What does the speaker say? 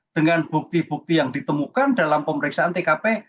dengan bukti bukti yang ditemukan dalam pemeriksaan tkp